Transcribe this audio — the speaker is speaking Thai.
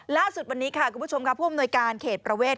ล่าสุดวันนี้ค่ะคุณผู้ชมค่ะผู้อำนวยการเขตประเวท